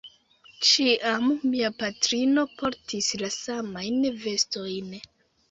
Ĉiam mia patrino portis la samajn vestojn.